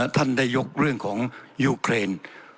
ท่านได้ยกเรื่องของยูเครน